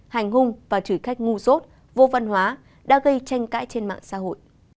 hành hung và chửi khách ngu rốt vô văn hóa đã gây tranh cãi trên mạng xã hội